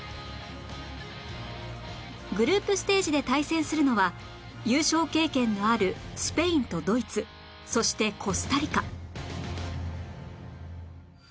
グループステージで対戦するのは優勝経験のあるスペインとドイツそしてコスタリカ